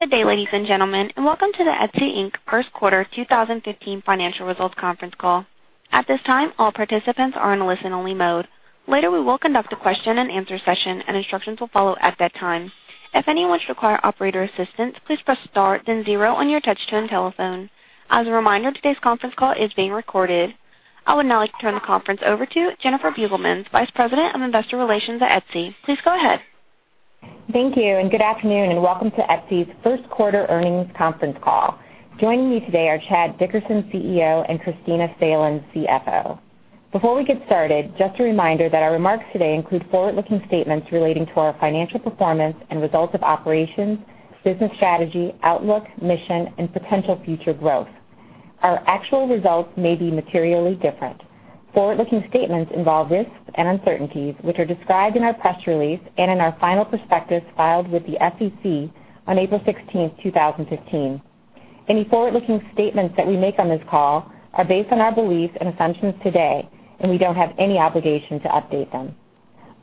Good day, ladies and gentlemen, and welcome to the Etsy, Inc. First Quarter 2015 Financial Results Conference Call. At this time, all participants are in listen-only mode. Later, we will conduct a question-and-answer session, and instructions will follow at that time. If anyone should require operator assistance, please press star then zero on your touch-tone telephone. As a reminder, today's conference call is being recorded. I would now like to turn the conference over to Jennifer Beugelmans, Vice President of Investor Relations at Etsy. Please go ahead. Thank you. Good afternoon, and welcome to Etsy's first quarter earnings conference call. Joining me today are Chad Dickerson, CEO, and Kristina Salen, CFO. Before we get started, just a reminder that our remarks today include forward-looking statements relating to our financial performance and results of operations, business strategy, outlook, mission, and potential future growth. Our actual results may be materially different. Forward-looking statements involve risks and uncertainties, which are described in our press release and in our final prospectus filed with the SEC on April 16, 2015. Any forward-looking statements that we make on this call are based on our beliefs and assumptions today, and we don't have any obligation to update them.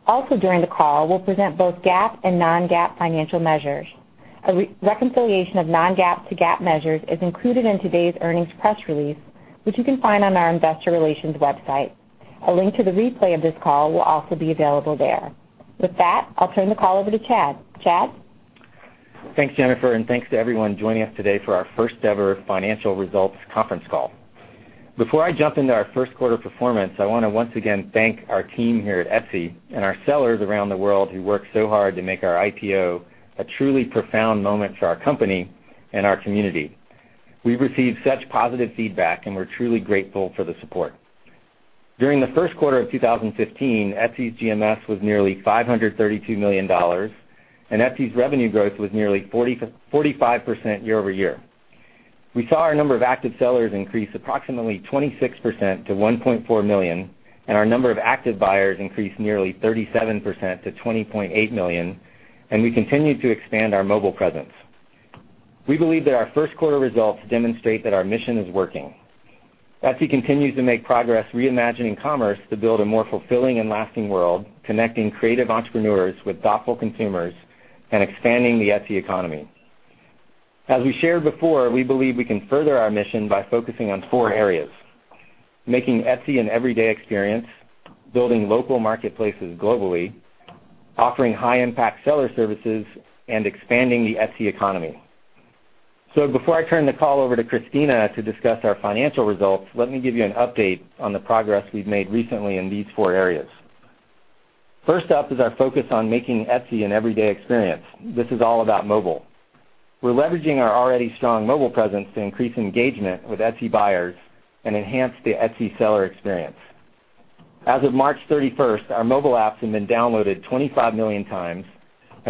Also during the call, we'll present both GAAP and non-GAAP financial measures. A reconciliation of non-GAAP to GAAP measures is included in today's earnings press release, which you can find on our investor relations website. A link to the replay of this call will also be available there. With that, I'll turn the call over to Chad. Chad? Thanks, Jennifer. Thanks to everyone joining us today for our first ever financial results conference call. Before I jump into our first quarter performance, I want to once again thank our team here at Etsy and our sellers around the world who worked so hard to make our IPO a truly profound moment for our company and our community. We've received such positive feedback. We're truly grateful for the support. During the first quarter of 2015, Etsy's GMS was nearly $532 million. Etsy's revenue growth was nearly 45% year-over-year. We saw our number of active sellers increase approximately 26% to 1.4 million. Our number of active buyers increase nearly 37% to 20.8 million. We continued to expand our mobile presence. We believe that our first quarter results demonstrate that our mission is working. Etsy continues to make progress reimagining commerce to build a more fulfilling and lasting world, connecting creative entrepreneurs with thoughtful consumers and expanding the Etsy economy. As we shared before, we believe we can further our mission by focusing on four areas: making Etsy an everyday experience, building local marketplaces globally, offering high impact seller services, and expanding the Etsy economy. Before I turn the call over to Kristina to discuss our financial results, let me give you an update on the progress we've made recently in these four areas. First up is our focus on making Etsy an everyday experience. This is all about mobile. We're leveraging our already strong mobile presence to increase engagement with Etsy buyers and enhance the Etsy seller experience. As of March 31st, our mobile apps have been downloaded 25 million times.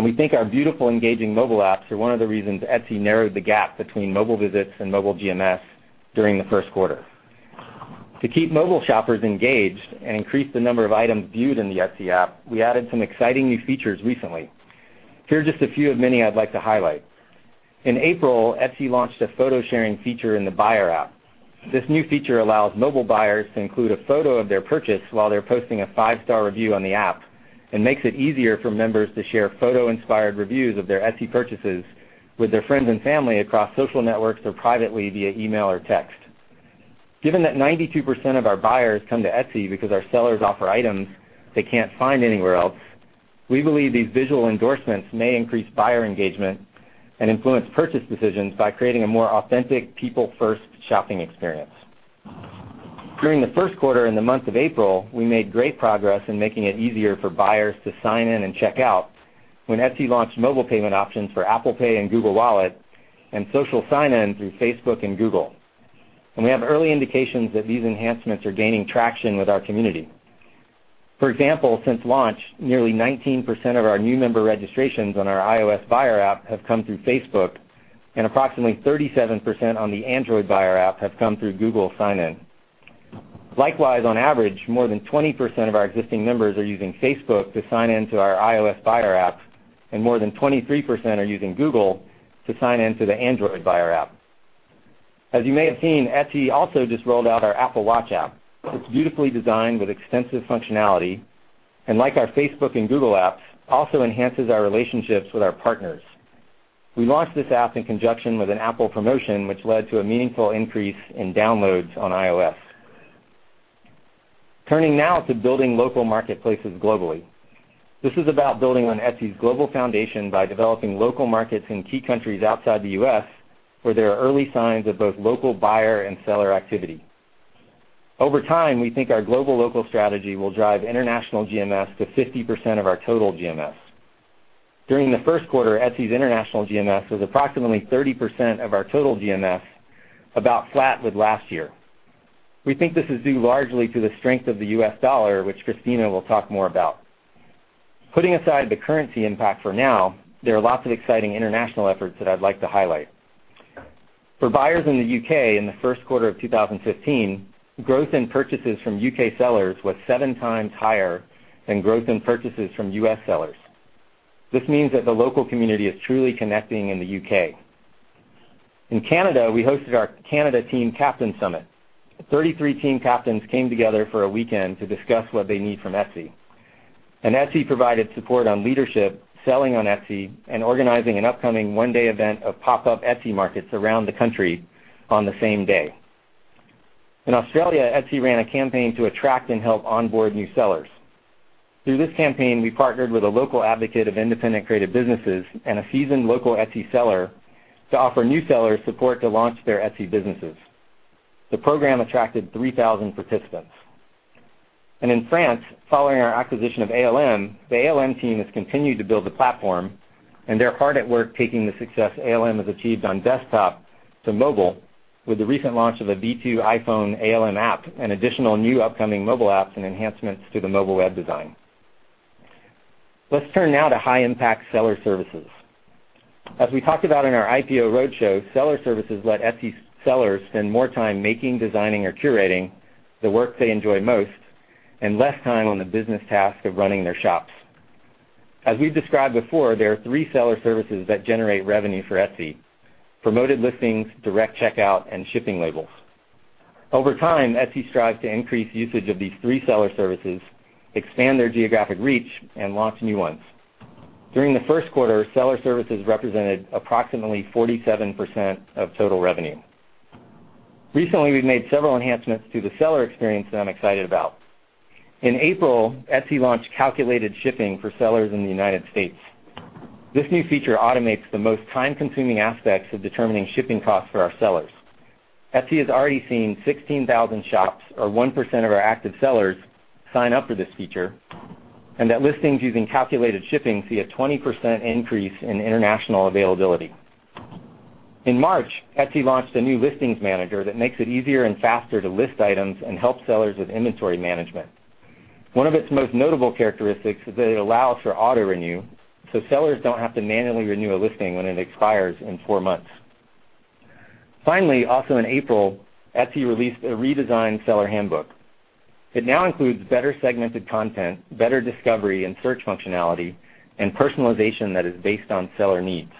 We think our beautiful, engaging mobile apps are one of the reasons Etsy narrowed the gap between mobile visits and mobile GMS during the first quarter. To keep mobile shoppers engaged and increase the number of items viewed in the Etsy app, we added some exciting new features recently. Here are just a few of many I'd like to highlight. In April, Etsy launched a photo-sharing feature in the buyer app. This new feature allows mobile buyers to include a photo of their purchase while they're posting a five-star review on the app and makes it easier for members to share photo-inspired reviews of their Etsy purchases with their friends and family across social networks or privately via email or text. Given that 92% of our buyers come to Etsy because our sellers offer items they can't find anywhere else, we believe these visual endorsements may increase buyer engagement and influence purchase decisions by creating a more authentic, people-first shopping experience. During the first quarter, in the month of April, we made great progress in making it easier for buyers to sign in and check out when Etsy launched mobile payment options for Apple Pay and Google Wallet and social sign-in through Facebook and Google. We have early indications that these enhancements are gaining traction with our community. For example, since launch, nearly 19% of our new member registrations on our iOS buyer app have come through Facebook, and approximately 37% on the Android buyer app have come through Google sign-in. Likewise, on average, more than 20% of our existing members are using Facebook to sign in to our iOS buyer app, and more than 23% are using Google to sign in to the Android buyer app. As you may have seen, Etsy also just rolled out our Apple Watch app. It's beautifully designed with extensive functionality, and like our Facebook and Google apps, also enhances our relationships with our partners. We launched this app in conjunction with an Apple promotion, which led to a meaningful increase in downloads on iOS. Turning now to building local marketplaces globally. This is about building on Etsy's global foundation by developing local markets in key countries outside the U.S., where there are early signs of both local buyer and seller activity. Over time, we think our global local strategy will drive international GMS to 50% of our total GMS. During the first quarter, Etsy's international GMS was approximately 30% of our total GMS, about flat with last year. We think this is due largely to the strength of the US dollar, which Kristina will talk more about. Putting aside the currency impact for now, there are lots of exciting international efforts that I'd like to highlight. For buyers in the U.K. in the first quarter of 2015, growth in purchases from U.K. sellers was seven times higher than growth in purchases from U.S. sellers. This means that the local community is truly connecting in the U.K. In Canada, we hosted our Canada Team Captain Summit. 33 team captains came together for a weekend to discuss what they need from Etsy. Etsy provided support on leadership, selling on Etsy, and organizing an upcoming one-day event of pop-up Etsy markets around the country on the same day. In Australia, Etsy ran a campaign to attract and help onboard new sellers. Through this campaign, we partnered with a local advocate of independent creative businesses and a seasoned local Etsy seller to offer new sellers support to launch their Etsy businesses. The program attracted 3,000 participants. In France, following our acquisition of ALM, the ALM team has continued to build the platform, and they're hard at work taking the success ALM has achieved on desktop to mobile with the recent launch of a V2 iPhone ALM app and additional new upcoming mobile apps and enhancements to the mobile web design. Let's turn now to high-impact seller services. As we talked about in our IPO roadshow, seller services let Etsy sellers spend more time making, designing or curating the work they enjoy most, and less time on the business task of running their shops. As we've described before, there are three seller services that generate revenue for Etsy, Promoted Listings, Direct Checkout, and Shipping Labels. Over time, Etsy strives to increase usage of these three seller services, expand their geographic reach, and launch new ones. During the first quarter, seller services represented approximately 47% of total revenue. Recently, we've made several enhancements to the seller experience that I'm excited about. In April, Etsy launched calculated shipping for sellers in the United States. This new feature automates the most time-consuming aspects of determining shipping costs for our sellers. Etsy has already seen 16,000 shops, or 1% of our active sellers, sign up for this feature, and that listings using calculated shipping see a 20% increase in international availability. In March, Etsy launched a new listings manager that makes it easier and faster to list items and help sellers with inventory management. One of its most notable characteristics is that it allows for auto-renew, so sellers don't have to manually renew a listing when it expires in four months. Finally, also in April, Etsy released a redesigned seller handbook. It now includes better segmented content, better discovery and search functionality, and personalization that is based on seller needs.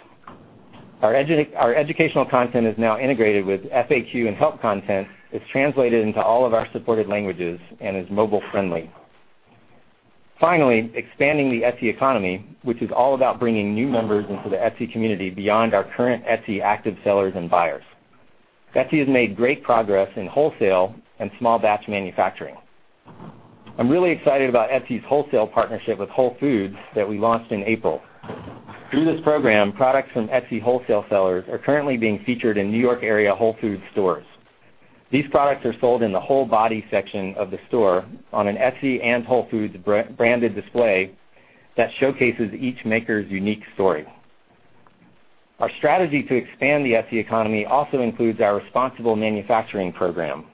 Our educational content is now integrated with FAQ and help content, is translated into all of our supported languages, and is mobile friendly. Finally, expanding the Etsy economy, which is all about bringing new members into the Etsy community beyond our current Etsy active sellers and buyers. Etsy has made great progress in wholesale and small batch manufacturing. I'm really excited about Etsy's wholesale partnership with Whole Foods that we launched in April. Through this program, products from Etsy wholesale sellers are currently being featured in New York area Whole Foods stores. These products are sold in the Whole Body section of the store on an Etsy and Whole Foods branded display that showcases each maker's unique story. Our strategy to expand the Etsy economy also includes our responsible manufacturing program.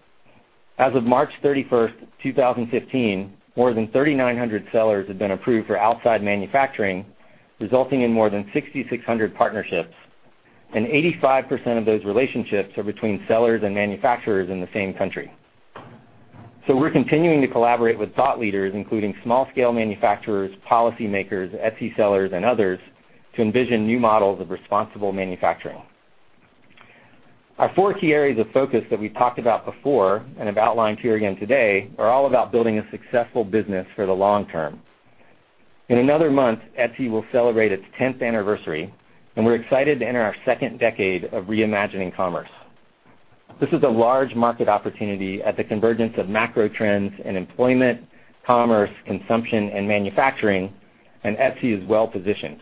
As of March 31st, 2015, more than 3,900 sellers have been approved for outside manufacturing, resulting in more than 6,600 partnerships, and 85% of those relationships are between sellers and manufacturers in the same country. We're continuing to collaborate with thought leaders, including small-scale manufacturers, policy makers, Etsy sellers, and others, to envision new models of responsible manufacturing. Our four key areas of focus that we've talked about before and have outlined here again today are all about building a successful business for the long term. In another month, Etsy will celebrate its 10th anniversary, and we're excited to enter our second decade of reimagining commerce. This is a large market opportunity at the convergence of macro trends in employment, commerce, consumption, and manufacturing. Etsy is well positioned.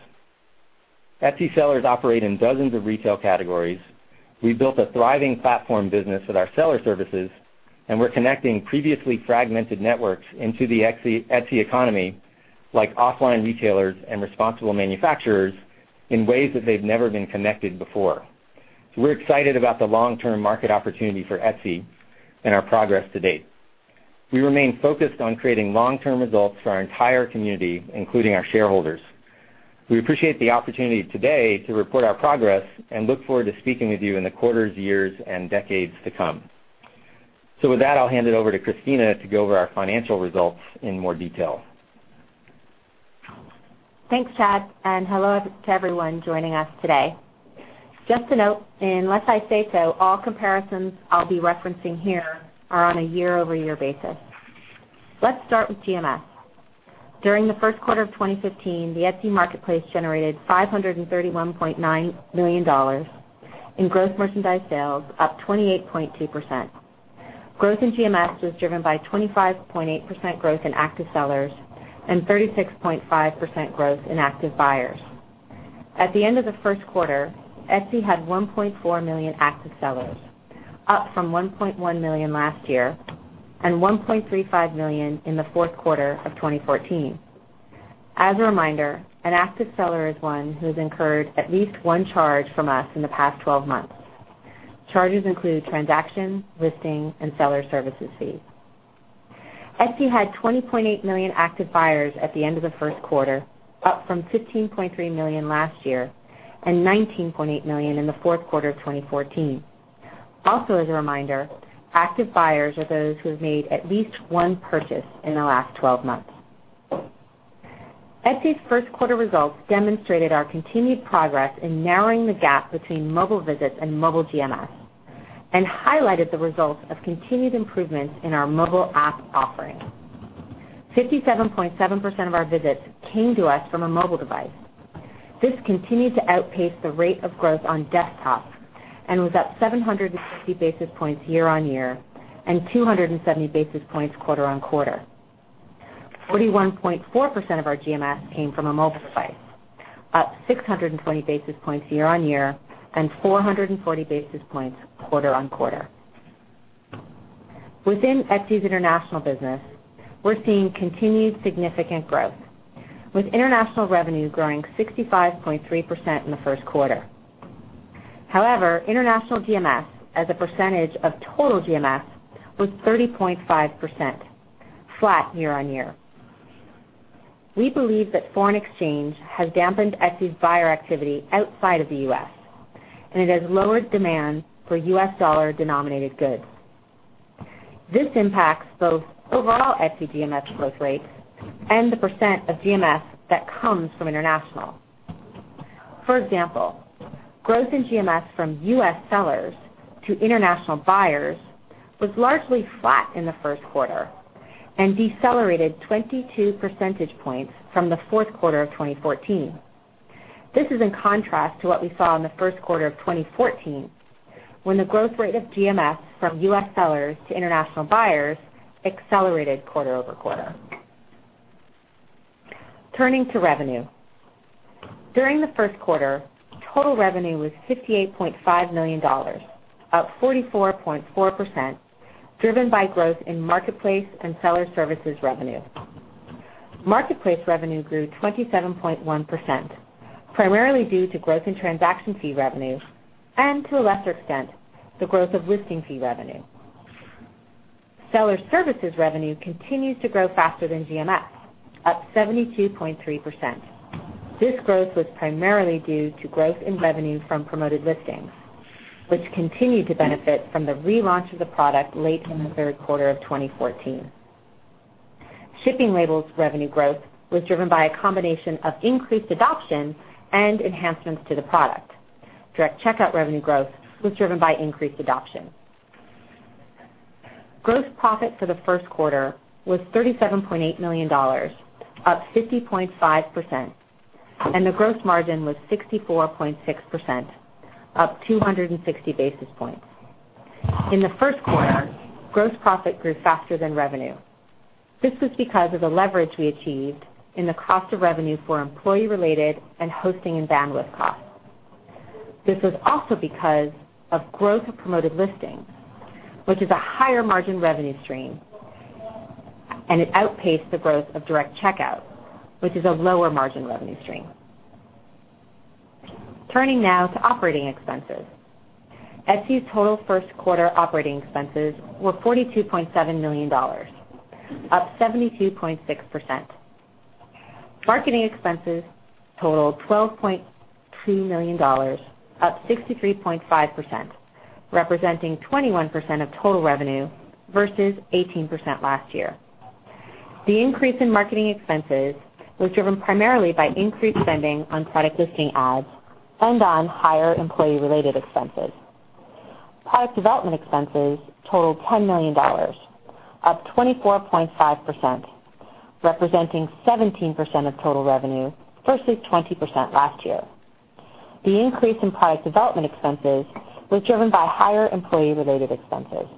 Etsy sellers operate in dozens of retail categories. We built a thriving platform business with our seller services, and we're connecting previously fragmented networks into the Etsy economy, like offline retailers and responsible manufacturers, in ways that they've never been connected before. We're excited about the long-term market opportunity for Etsy and our progress to date. We remain focused on creating long-term results for our entire community, including our shareholders. We appreciate the opportunity today to report our progress and look forward to speaking with you in the quarters, years, and decades to come. With that, I'll hand it over to Kristina to go over our financial results in more detail. Thanks, Chad, hello to everyone joining us today. Just a note, unless I say so, all comparisons I'll be referencing here are on a year-over-year basis. Let's start with GMS. During the first quarter of 2015, the Etsy marketplace generated $531.9 million in growth merchandise sales, up 28.2%. Growth in GMS was driven by 25.8% growth in active sellers and 36.5% growth in active buyers. At the end of the first quarter, Etsy had 1.4 million active sellers, up from 1.1 million last year and 1.35 million in the fourth quarter of 2014. As a reminder, an active seller is one who has incurred at least one charge from us in the past 12 months. Charges include transaction, listing, and seller services fees. Etsy had 20.8 million active buyers at the end of the first quarter, up from 15.3 million last year and 19.8 million in the fourth quarter of 2014. As a reminder, active buyers are those who have made at least one purchase in the last 12 months. Etsy's first quarter results demonstrated our continued progress in narrowing the gap between mobile visits and mobile GMS, and highlighted the results of continued improvements in our mobile app offerings. 57.7% of our visits came to us from a mobile device. This continued to outpace the rate of growth on desktop and was up 760 basis points year-on-year, and 270 basis points quarter-on-quarter. 41.4% of our GMS came from a mobile device, up 620 basis points year-on-year, and 440 basis points quarter-on-quarter. Within Etsy's international business, we're seeing continued significant growth, with international revenue growing 65.3% in the first quarter. However, international GMS as a percentage of total GMS was 30.5%, flat year-on-year. We believe that foreign exchange has dampened Etsy's buyer activity outside of the U.S., and it has lowered demand for U.S. dollar-denominated goods. This impacts both overall Etsy GMS growth rates and the percent of GMS that comes from international. For example, growth in GMS from U.S. sellers to international buyers was largely flat in the first quarter and decelerated 22 percentage points from the fourth quarter of 2014. This is in contrast to what we saw in the first quarter of 2014, when the growth rate of GMS from U.S. sellers to international buyers accelerated quarter-over-quarter. Turning to revenue. During the first quarter, total revenue was $58.5 million, up 44.4%, driven by growth in marketplace and Seller services revenue. Marketplace revenue grew 27.1%, primarily due to growth in transaction fee revenue and, to a lesser extent, the growth of listing fee revenue. Seller services revenue continues to grow faster than GMS, up 72.3%. This growth was primarily due to growth in revenue from Promoted Listings, which continued to benefit from the relaunch of the product late in the third quarter of 2014. Shipping Labels revenue growth was driven by a combination of increased adoption and enhancements to the product. Direct Checkout revenue growth was driven by increased adoption. Gross profit for the first quarter was $37.8 million, up 50.5%, and the gross margin was 64.6%, up 260 basis points. In the first quarter, gross profit grew faster than revenue. This was because of the leverage we achieved in the cost of revenue for employee-related and hosting and bandwidth costs. This was also because of growth of Promoted Listings, which is a higher margin revenue stream, and it outpaced the growth of Direct Checkout, which is a lower margin revenue stream. Turning now to operating expenses. Etsy's total first quarter operating expenses were $42.7 million, up 72.6%. Marketing expenses totaled $12.2 million, up 63.5%, representing 21% of total revenue versus 18% last year. The increase in Marketing expenses was driven primarily by increased spending on Product Listing Ads and on higher employee-related expenses. Product development expenses totaled $10 million, up 24.5%, representing 17% of total revenue versus 20% last year. The increase in Product development expenses was driven by higher employee-related expenses.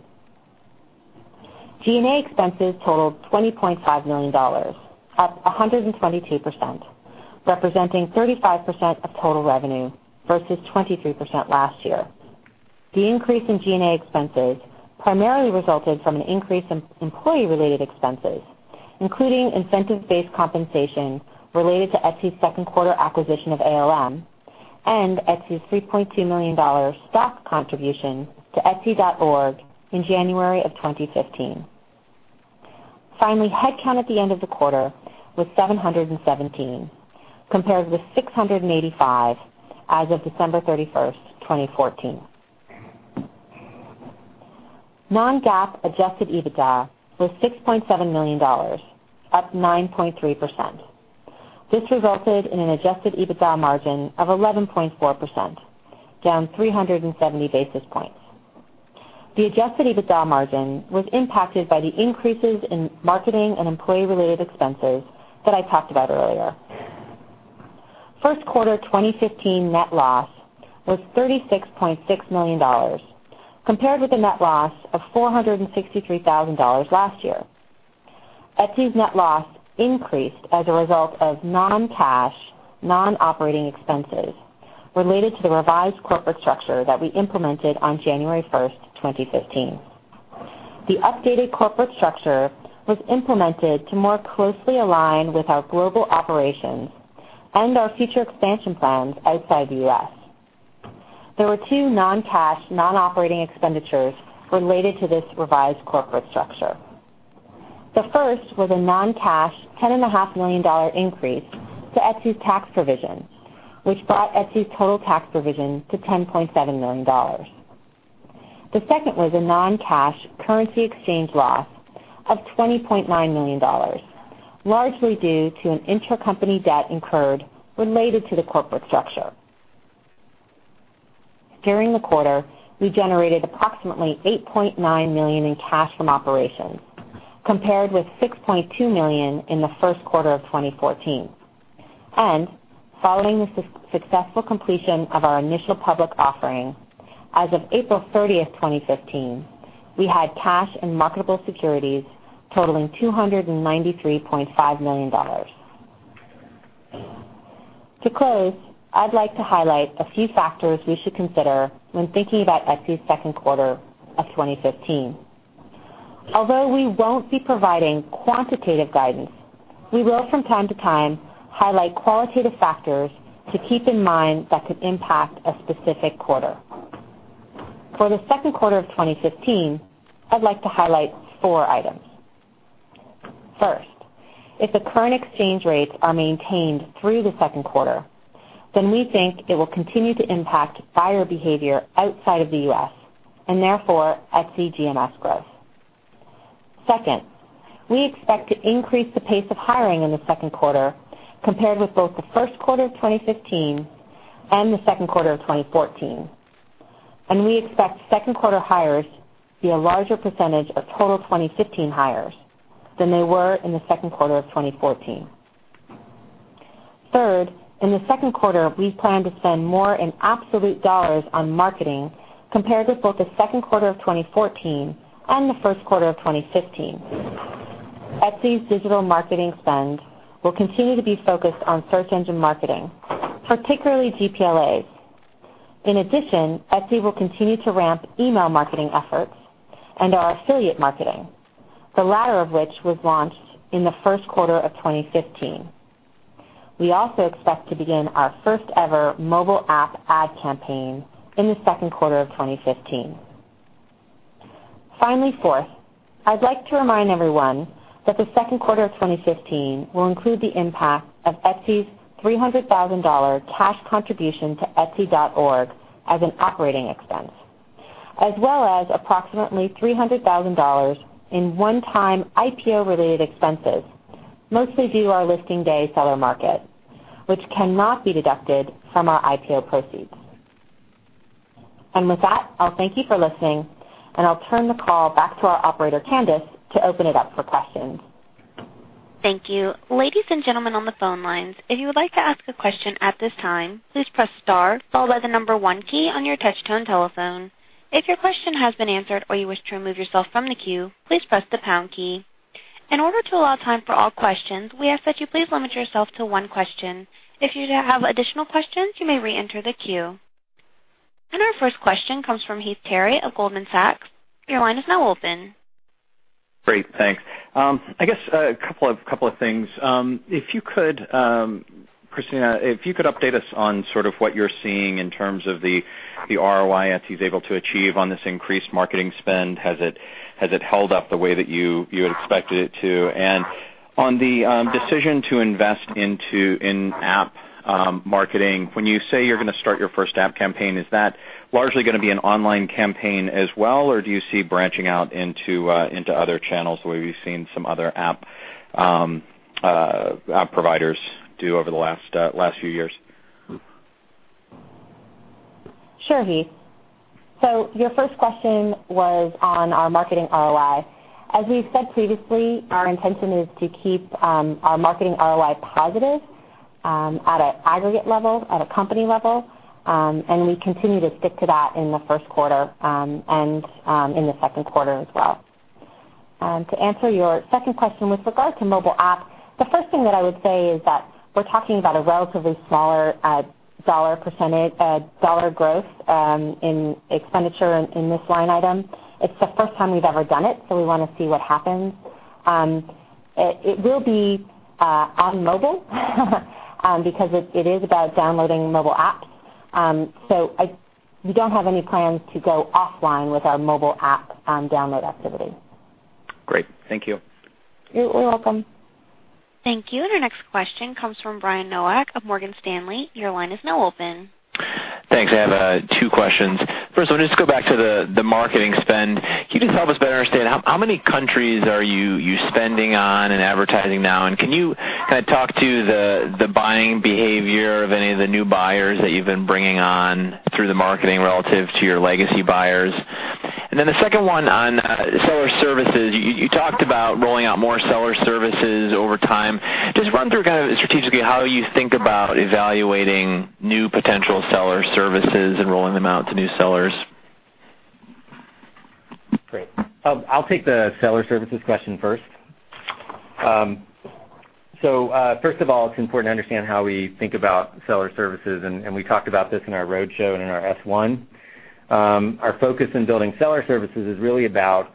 G&A expenses totaled $20.5 million, up 122%, representing 35% of total revenue versus 23% last year. The increase in G&A expenses primarily resulted from an increase in employee-related expenses, including incentive-based compensation related to Etsy's second quarter acquisition of ALM and Etsy's $3.2 million stock contribution to etsy.org in January of 2015. Finally, headcount at the end of the quarter was 717 compared with 685 as of December 31st, 2014. Non-GAAP adjusted EBITDA was $6.7 million, up 9.3%. This resulted in an adjusted EBITDA margin of 11.4%, down 370 basis points. The adjusted EBITDA margin was impacted by the increases in marketing and employee-related expenses that I talked about earlier. First quarter 2015 net loss was $36.6 million, compared with a net loss of $463,000 last year. Etsy's net loss increased as a result of non-cash, non-operating expenses related to the revised corporate structure that we implemented on January 1st, 2015. The updated corporate structure was implemented to more closely align with our global operations and our future expansion plans outside the U.S. There were two non-cash, non-operating expenditures related to this revised corporate structure. The first was a non-cash ten and a half million dollars increase to Etsy's tax provision, which brought Etsy's total tax provision to $10.7 million. The second was a non-cash currency exchange loss of $20.9 million, largely due to an intracompany debt incurred related to the corporate structure. During the quarter, we generated approximately $8.9 million in cash from operations, compared with $6.2 million in the first quarter of 2014. Following the successful completion of our initial public offering, as of April 30th, 2015, we had cash and marketable securities totaling $293.5 million. To close, I'd like to highlight a few factors we should consider when thinking about Etsy's second quarter of 2015. Although we won't be providing quantitative guidance, we will from time to time highlight qualitative factors to keep in mind that could impact a specific quarter. For the second quarter of 2015, I'd like to highlight four items. First, if the current exchange rates are maintained through the second quarter, then we think it will continue to impact buyer behavior outside of the U.S. and therefore Etsy GMS growth. Second, we expect to increase the pace of hiring in the second quarter compared with both the first quarter of 2015 and the second quarter of 2014, and we expect second quarter hires to be a larger percentage of total 2015 hires than they were in the second quarter of 2014. Third, in the second quarter, we plan to spend more in absolute dollars on marketing compared with both the second quarter of 2014 and the first quarter of 2015. Etsy's digital marketing spend will continue to be focused on search engine marketing, particularly PLAs. Etsy will continue to ramp email marketing efforts and our affiliate marketing, the latter of which was launched in the first quarter of 2015. We also expect to begin our first-ever mobile app ad campaign in the second quarter of 2015. Fourth, I'd like to remind everyone that the second quarter of 2015 will include the impact of Etsy's $300,000 cash contribution to etsy.org as an operating expense, as well as approximately $300,000 in one-time IPO-related expenses, mostly due to our listing day seller market, which cannot be deducted from our IPO proceeds. With that, I'll thank you for listening, and I'll turn the call back to our operator, Candice, to open it up for questions. Thank you. Ladies and gentlemen on the phone lines, if you would like to ask a question at this time, please press star followed by the 1 key on your touch-tone telephone. If your question has been answered or you wish to remove yourself from the queue, please press the pound key. In order to allow time for all questions, we ask that you please limit yourself to 1 question. If you have additional questions, you may reenter the queue. Our 1st question comes from Heath Terry of Goldman Sachs. Your line is now open. Great. Thanks. I guess a couple of things. Kristina, if you could update us on sort of what you're seeing in terms of the ROI Etsy's able to achieve on this increased marketing spend. Has it held up the way that you had expected it to? On the decision to invest in app marketing, when you say you're going to start your 1st app campaign, is that largely going to be an online campaign as well, or do you see branching out into other channels the way we've seen some other app providers do over the last few years? Sure, Heath. Your 1st question was on our marketing ROI. As we've said previously, our intention is to keep our marketing ROI positive at an aggregate level, at a company level, and we continue to stick to that in the 1st quarter and in the 2nd quarter as well. To answer your 2nd question, with regard to mobile app, the 1st thing that I would say is that we're talking about a relatively smaller $ growth in expenditure in this line item. It's the 1st time we've ever done it, so we want to see what happens. It will be on mobile because it is about downloading mobile apps. We don't have any plans to go offline with our mobile app download activity. Great. Thank you. You're welcome. Thank you. Our next question comes from Brian Nowak of Morgan Stanley. Your line is now open. Thanks. I have two questions. First one, just go back to the marketing spend. Can you just help us better understand, how many countries are you spending on and advertising now, and can you kind of talk to the buying behavior of any of the new buyers that you've been bringing on through the marketing relative to your legacy buyers? Then the second one on seller services. You talked about rolling out more seller services over time. Just run through kind of strategically how you think about evaluating new potential seller services and rolling them out to new sellers. Great. I'll take the seller services question first. First of all, it's important to understand how we think about seller services, and we talked about this in our roadshow and in our S-1. Our focus in building seller services is really about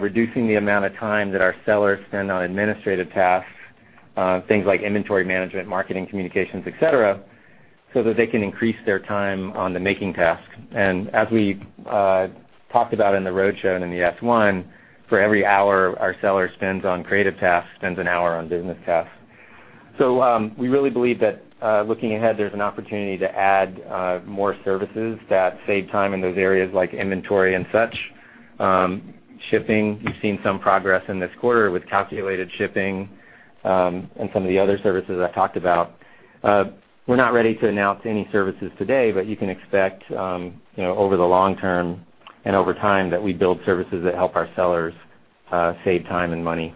reducing the amount of time that our sellers spend on administrative tasks, things like inventory management, marketing, communications, et cetera, so that they can increase their time on the making task. As we talked about in the roadshow and in the S-1, for every hour our seller spends on creative tasks, spends an hour on business tasks. We really believe that, looking ahead, there's an opportunity to add more services that save time in those areas like inventory and such. Shipping, we've seen some progress in this quarter with calculated shipping and some of the other services I talked about. We're not ready to announce any services today. You can expect over the long term and over time that we build services that help our sellers save time and money.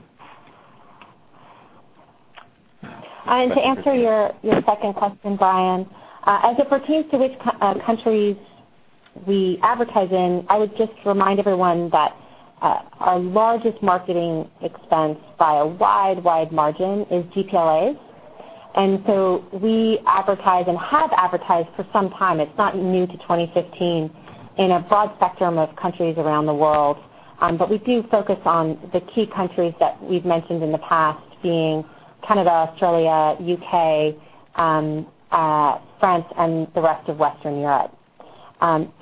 To answer your second question, Brian, as it pertains to which countries we advertise in, I would just remind everyone that our largest marketing expense by a wide margin is PLAs. We advertise and have advertised for some time, it's not new to 2015, in a broad spectrum of countries around the world. We do focus on the key countries that we've mentioned in the past, being Canada, Australia, U.K., France, and the rest of Western Europe.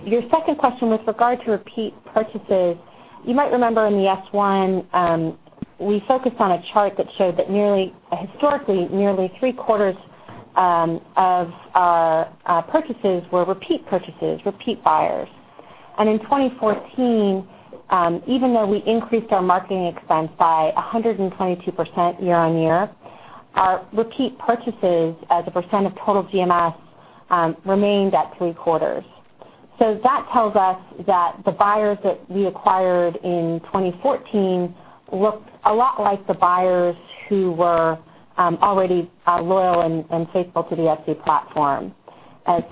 Your second question with regard to repeat purchases, you might remember in the S-1, we focused on a chart that showed that historically, nearly three-quarters of our purchases were repeat purchases, repeat buyers. In 2014, even though we increased our marketing expense by 122% year-on-year, our repeat purchases as a percent of total GMS remained at three-quarters. That tells us that the buyers that we acquired in 2014 looked a lot like the buyers who were already loyal and faithful to the Etsy platform.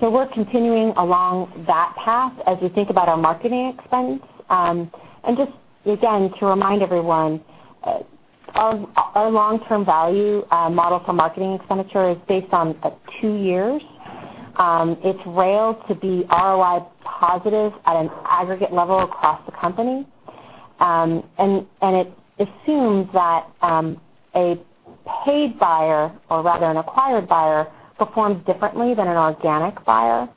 We're continuing along that path as we think about our marketing expense. Just again, to remind everyone, our long-term value model for marketing expenditure is based on two years. It's railed to be ROI positive at an aggregate level across the company. It assumes that a paid buyer, or rather an acquired buyer, performs differently than an organic buyer.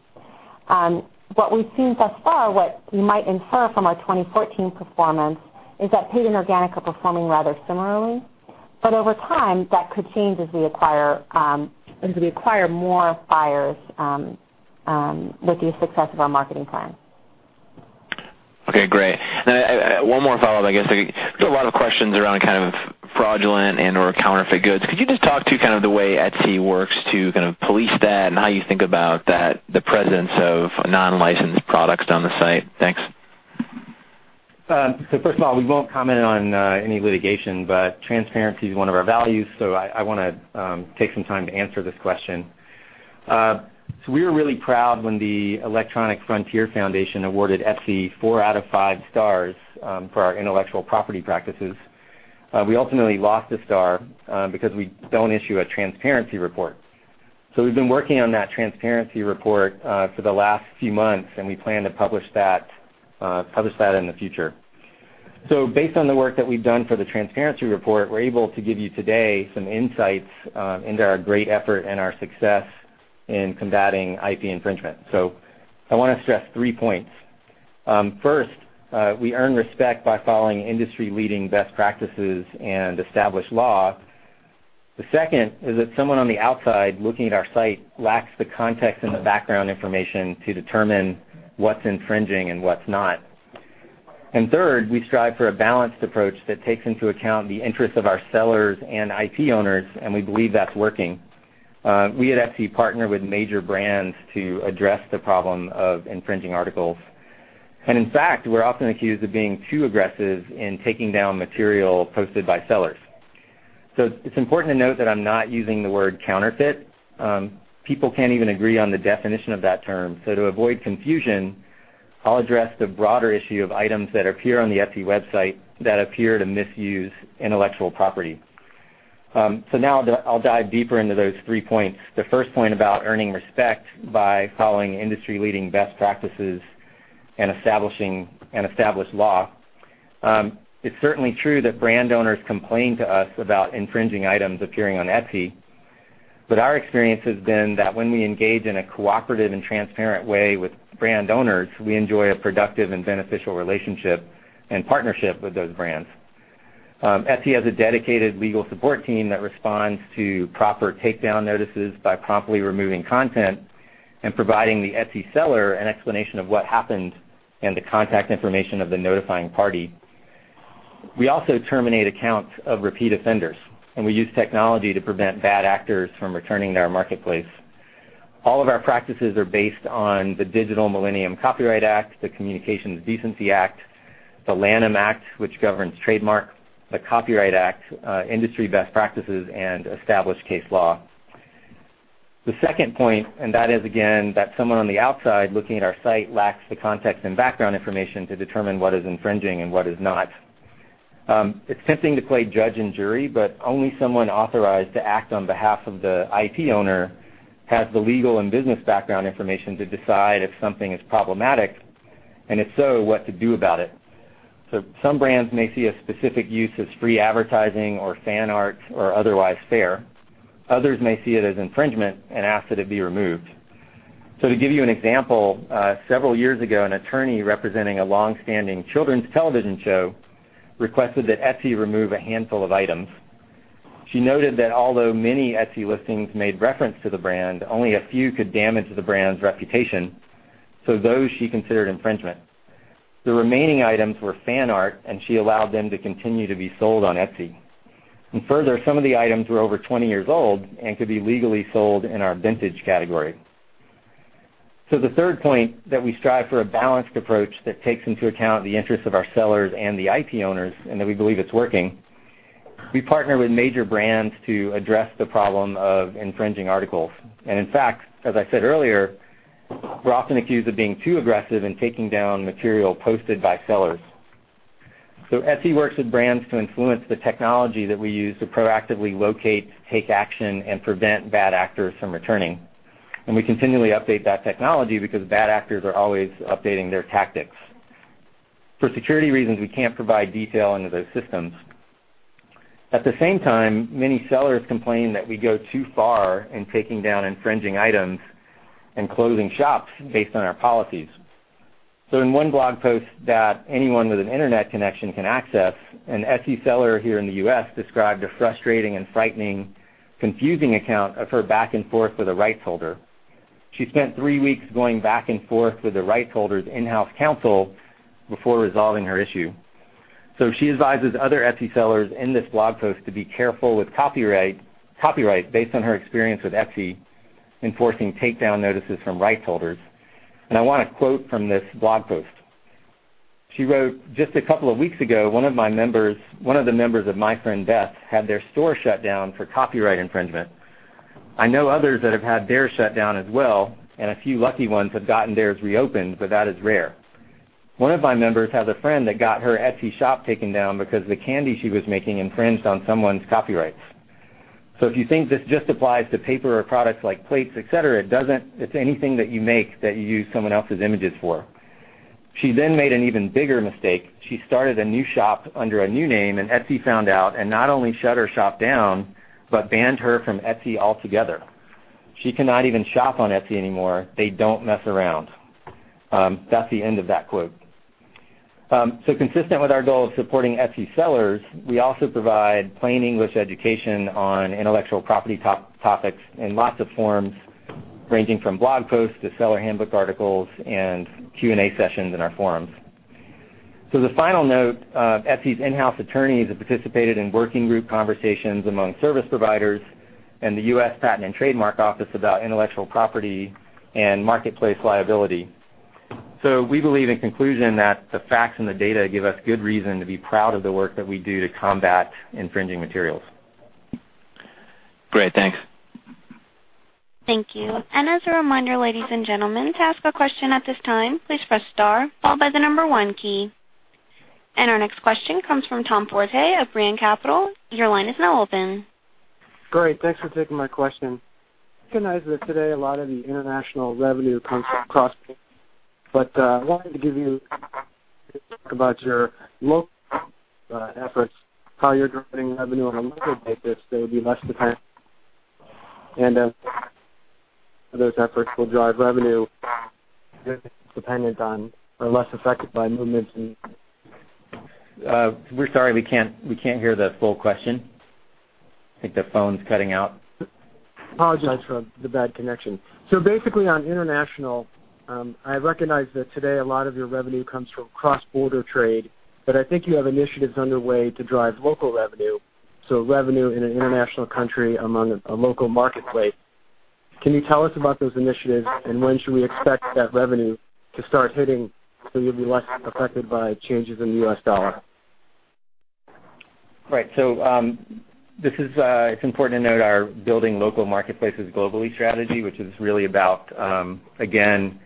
What we've seen thus far, what you might infer from our 2014 performance, is that paid and organic are performing rather similarly. Over time, that could change as we acquire more buyers with the success of our marketing plan. Okay, great. One more follow-up, I guess. There's a lot of questions around fraudulent and/or counterfeit goods. Could you just talk to the way Etsy works to police that and how you think about the presence of non-licensed products on the site? Thanks. First of all, we won't comment on any litigation, Transparency is one of our values, I want to take some time to answer this question. We were really proud when the Electronic Frontier Foundation awarded Etsy four out of five stars for our intellectual property practices. We ultimately lost a star because we don't issue a transparency report. We've been working on that transparency report for the last few months, and we plan to publish that in the future. Based on the work that we've done for the transparency report, we're able to give you today some insights into our great effort and our success in combating IP infringement. I want to stress three points. First, we earn respect by following industry-leading best practices and established law. The second is that someone on the outside looking at our site lacks the context and the background information to determine what's infringing and what's not. Third, we strive for a balanced approach that takes into account the interests of our sellers and IP owners, and we believe that's working. We at Etsy partner with major brands to address the problem of infringing articles. In fact, we're often accused of being too aggressive in taking down material posted by sellers. It's important to note that I'm not using the word counterfeit. People can't even agree on the definition of that term. To avoid confusion, I'll address the broader issue of items that appear on the Etsy website that appear to misuse intellectual property. Now I'll dive deeper into those three points. The first point about earning respect by following industry-leading best practices and established law. It's certainly true that brand owners complain to us about infringing items appearing on Etsy. Our experience has been that when we engage in a cooperative and transparent way with brand owners, we enjoy a productive and beneficial relationship and partnership with those brands. Etsy has a dedicated legal support team that responds to proper takedown notices by promptly removing content and providing the Etsy seller an explanation of what happened and the contact information of the notifying party. We also terminate accounts of repeat offenders, we use technology to prevent bad actors from returning to our marketplace. All of our practices are based on the Digital Millennium Copyright Act, the Communications Decency Act, the Lanham Act, which governs trademarks, the Copyright Act, industry best practices, and established case law. The second point, that is, again, that someone on the outside looking at our site lacks the context and background information to determine what is infringing and what is not. It's tempting to play judge and jury, but only someone authorized to act on behalf of the IP owner has the legal and business background information to decide if something is problematic, and if so, what to do about it. Some brands may see a specific use as free advertising or fan art or otherwise fair. Others may see it as infringement and ask that it be removed. To give you an example, several years ago, an attorney representing a longstanding children's television show requested that Etsy remove a handful of items. She noted that although many Etsy listings made reference to the brand, only a few could damage the brand's reputation, those she considered infringement. The remaining items were fan art. She allowed them to continue to be sold on Etsy. Further, some of the items were over 20 years old and could be legally sold in our vintage category. The third point, that we strive for a balanced approach that takes into account the interests of our sellers and the IP owners. We believe it's working. We partner with major brands to address the problem of infringing articles. In fact, as I said earlier, we're often accused of being too aggressive in taking down material posted by sellers. Etsy works with brands to influence the technology that we use to proactively locate, take action, and prevent bad actors from returning. We continually update that technology because bad actors are always updating their tactics. For security reasons, we can't provide detail into those systems. At the same time, many sellers complain that we go too far in taking down infringing items and closing shops based on our policies. In one blog post that anyone with an internet connection can access, an Etsy seller here in the U.S. described a frustrating and frightening, confusing account of her back and forth with a rights holder. She spent three weeks going back and forth with the rights holder's in-house counsel before resolving her issue. She advises other Etsy sellers in this blog post to be careful with copyright based on her experience with Etsy enforcing takedown notices from rights holders. I want to quote from this blog post. She wrote, "Just a couple of weeks ago, one of the members of my friend Beth had their store shut down for copyright infringement. I know others that have had theirs shut down as well. A few lucky ones have gotten theirs reopened, but that is rare. One of my members has a friend that got her Etsy shop taken down because the candy she was making infringed on someone's copyrights. If you think this just applies to paper or products like plates, et cetera, it doesn't. It's anything that you make that you use someone else's images for. She made an even bigger mistake. She started a new shop under a new name. Etsy found out and not only shut her shop down but banned her from Etsy altogether. She cannot even shop on Etsy anymore. They don't mess around." That's the end of that quote. Consistent with our goal of supporting Etsy sellers, we also provide plain English education on intellectual property topics in lots of forms, ranging from blog posts to seller handbook articles and Q&A sessions in our forums. The final note, Etsy's in-house attorneys have participated in working group conversations among service providers and the U.S. Patent and Trademark Office about intellectual property and marketplace liability. We believe, in conclusion, that the facts and the data give us good reason to be proud of the work that we do to combat infringing materials. Great. Thanks. Thank you. As a reminder, ladies and gentlemen, to ask a question at this time, please press star followed by the 1 key. Our next question comes from Tom Forte of Brean Capital. Your line is now open. Great. Thanks for taking my question. Recognize that today, a lot of the international revenue comes from cross , I wanted to give you to talk about your local efforts, how you're generating revenue on a local basis that would be less dependent and those efforts will drive revenue dependent on or less affected by movements in. We're sorry, we can't hear the full question. I think the phone's cutting out. Apologize for the bad connection. Basically, on international, I recognize that today a lot of your revenue comes from cross-border trade, but I think you have initiatives underway to drive local revenue, so revenue in an international country among a local marketplace. Can you tell us about those initiatives, and when should we expect that revenue to start hitting so you'll be less affected by changes in the U.S. dollar? Right. It's important to note our building local marketplaces globally strategy, which is really about, again,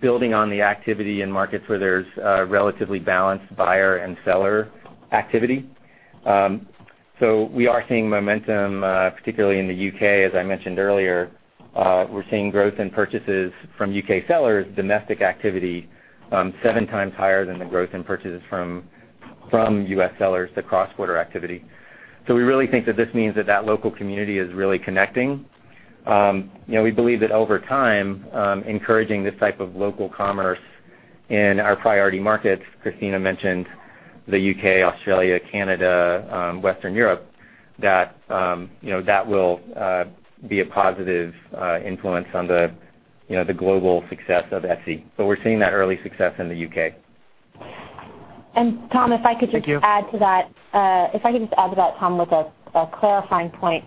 building on the activity in markets where there's relatively balanced buyer and seller activity. We are seeing momentum, particularly in the U.K., as I mentioned earlier. We're seeing growth in purchases from U.K. sellers, domestic activity, seven times higher than the growth in purchases from U.S. sellers to cross-border activity. We really think that this means that that local community is really connecting. We believe that over time, encouraging this type of local commerce in our priority markets, Kristina mentioned the U.K., Australia, Canada, Western Europe, that will be a positive influence on the global success of Etsy. We're seeing that early success in the U.K. Tom, if I could just Thank you Add to that. If I could just add to that, Tom, with a clarifying point.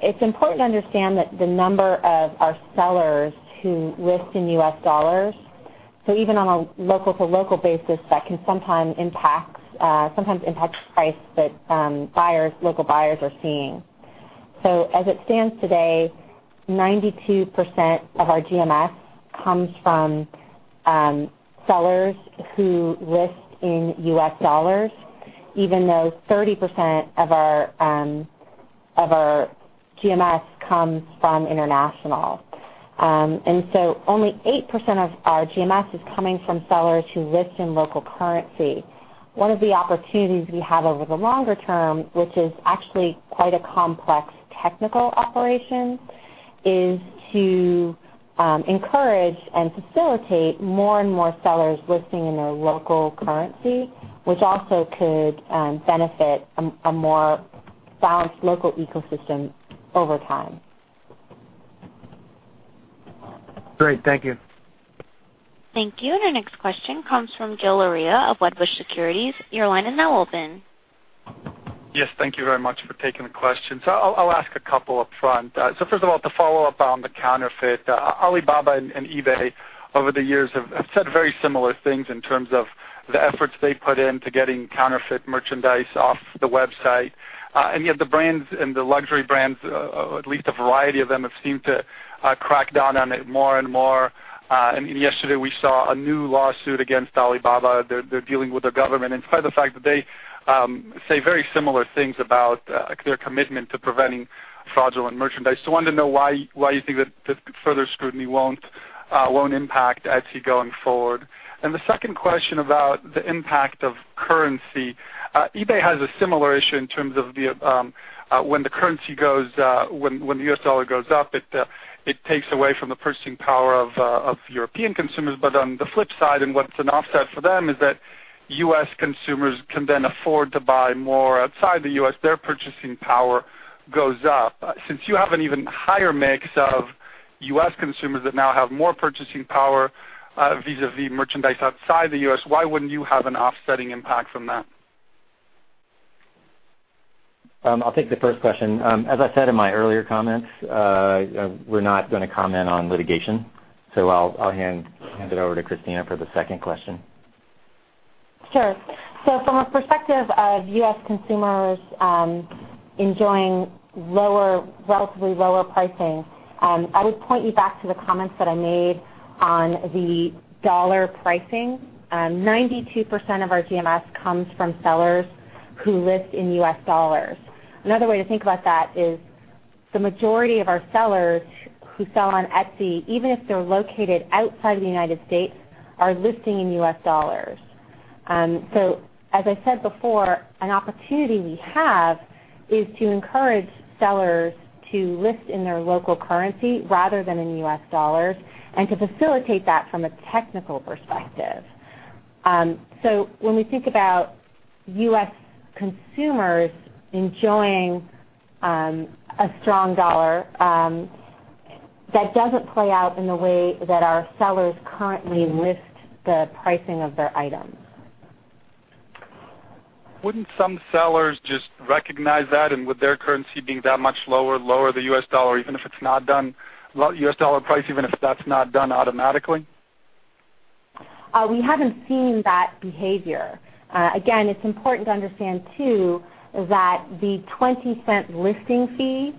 It is important to understand that the number of our sellers who list in US dollars, so even on a local-to-local basis, that can sometimes impact price that local buyers are seeing. As it stands today, 92% of our GMS comes from sellers who list in US dollars, even though 30% of our GMS comes from international. Only 8% of our GMS is coming from sellers who list in local currency. One of the opportunities we have over the longer term, which is actually quite a complex technical operation, is to encourage and facilitate more and more sellers listing in their local currency, which also could benefit a more balanced local ecosystem over time. Great. Thank you. Thank you. Our next question comes from Gil Luria of Wedbush Securities. Your line is now open. Yes. Thank you very much for taking the question. I will ask a couple upfront. First of all, to follow up on the counterfeit, Alibaba and eBay over the years have said very similar things in terms of the efforts they put in to getting counterfeit merchandise off the website. Yet the brands and the luxury brands, or at least a variety of them, have seemed to crack down on it more and more. Yesterday, we saw a new lawsuit against Alibaba. They are dealing with the government. Despite the fact that they say very similar things about their commitment to preventing fraudulent merchandise, so I wanted to know why you think that further scrutiny won't impact Etsy going forward. The second question about the impact of currency. eBay has a similar issue in terms of when the US dollar goes up, it takes away from the purchasing power of European consumers. On the flip side, and what's an offset for them, is that U.S. consumers can then afford to buy more outside the U.S. Their purchasing power goes up. Since you have an even higher mix of U.S. consumers that now have more purchasing power vis-a-vis merchandise outside the U.S., why wouldn't you have an offsetting impact from that? I'll take the first question. As I said in my earlier comments, we're not going to comment on litigation. I'll hand it over to Kristina for the second question. Sure. From a perspective of U.S. consumers enjoying relatively lower pricing, I would point you back to the comments that I made on the dollar pricing. 92% of our GMS comes from sellers who list in U.S. dollars. Another way to think about that is the majority of our sellers who sell on Etsy, even if they're located outside of the U.S., are listing in U.S. dollars. As I said before, an opportunity we have is to encourage sellers to list in their local currency rather than in U.S. dollars and to facilitate that from a technical perspective. When we think about U.S. consumers enjoying a strong dollar, that doesn't play out in the way that our sellers currently list the pricing of their items. Wouldn't some sellers just recognize that and with their currency being that much lower the U.S. dollar price even if that's not done automatically? We haven't seen that behavior. It's important to understand too that the $0.20 listing fee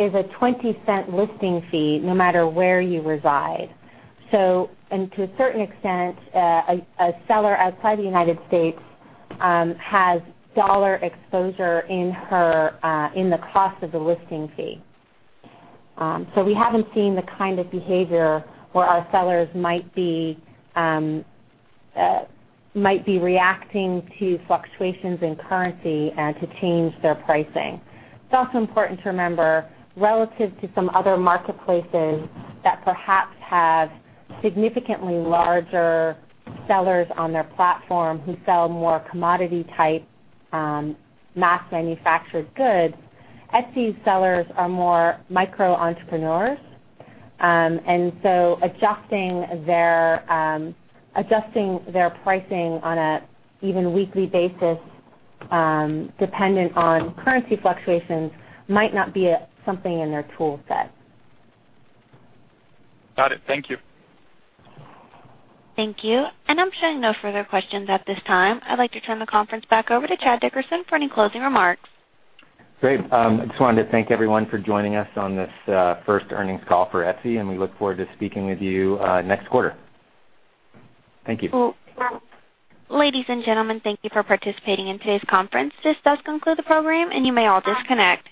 is a $0.20 listing fee, no matter where you reside. To a certain extent, a seller outside of the United States has dollar exposure in the cost of the listing fee. We haven't seen the kind of behavior where our sellers might be reacting to fluctuations in currency and to change their pricing. It's also important to remember, relative to some other marketplaces that perhaps have significantly larger sellers on their platform who sell more commodity type, mass manufactured goods, Etsy sellers are more micro entrepreneurs. Adjusting their pricing on a even weekly basis dependent on currency fluctuations might not be something in their tool set. Got it. Thank you. Thank you. I'm showing no further questions at this time. I'd like to turn the conference back over to Chad Dickerson for any closing remarks. Great. I just wanted to thank everyone for joining us on this first earnings call for Etsy, we look forward to speaking with you next quarter. Thank you. Ladies and gentlemen, thank you for participating in today's conference. This does conclude the program. You may all disconnect.